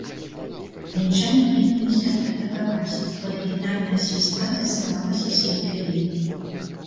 Мінчане кінуліся атакаваць, бо да фінальнага свістка заставалася сем хвілін.